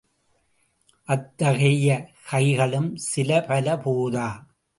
அத்தகைய கைகளும் சிலபல போதா.